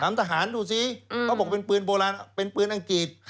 ทหารดูสิเขาบอกเป็นปืนโบราณเป็นปืนอังกฤษ